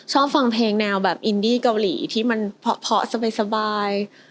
ชอบฟังเพลงแนวแบบอินดี้เกาหลีที่มันเพาะสบาย